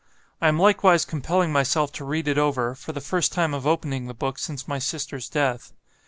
I am likewise compelling myself to read it over, for the first time of opening the book since my sister's death.